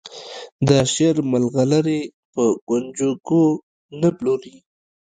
د شعر مرغلرې په کونجکو نه پلوري.